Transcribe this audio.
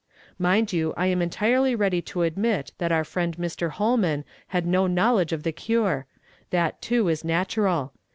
" Mind you, I am entirely ready to admit that our friend jMr. Holman had no knowledge of the cure ; that, too, is natural.